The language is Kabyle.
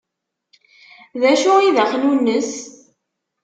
D acu i d axnunnes?